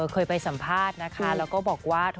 เคยไปสัมภาษณ์นะคะแล้วก็บอกว่า